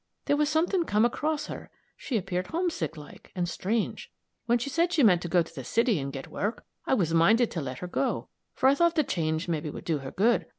There was something come across her she appeared homesick like, and strange. When she said she meant to go to the city and get work, I was minded to let her go, for I thought the change mebbe would do her good.